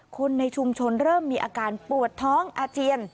คนในชุมชนเริ่มมีอาการปวดท้องอาเจียน